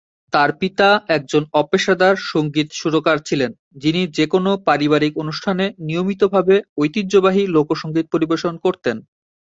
তার পিতা একজন অপেশাদার সঙ্গীত সুরকার ছিলেন যিনি যেকোন পারিবারিক অনুষ্ঠানে নিয়মিতভাবে ঐতিহ্যবাহী লোকসঙ্গীত পরিবেশন করতেন।